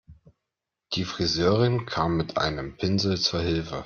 Die Friseurin kam mit einem Pinsel zu Hilfe.